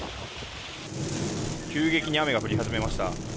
急激に雨が降り始めました。